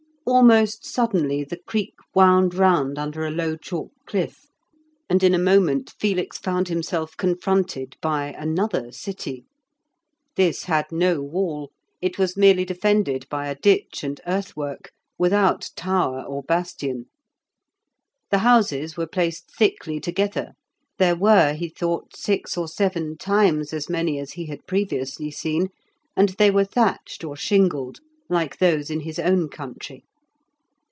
Almost suddenly the creek wound round under a low chalk cliff, and in a moment Felix found himself confronted by another city. This had no wall; it was merely defended by a ditch and earthwork, without tower or bastion. The houses were placed thickly together; there were, he thought, six or seven times as many as he had previously seen, and they were thatched or shingled, like those in his own country.